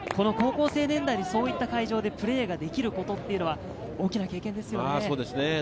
高校生年代でそういった会場でプレーができることというのは大きな経験ですよね。